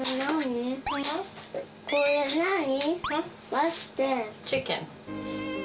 これ、なーに？